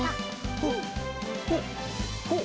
ほっほっほっ。